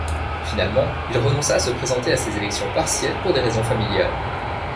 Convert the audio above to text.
Finalement il renonça à se présenter à ces élections partielles pour des raisons familiales.